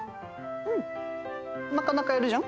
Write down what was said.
うんなかなかやるじゃん。